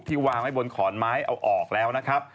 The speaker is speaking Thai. วางไว้บนขอนไม้เอาออกแล้วนะครับ